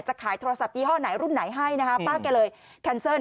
ขายโทรศัพท์ยี่ห้อไหนรุ่นไหนให้นะคะป้าแกเลยแคนเซิล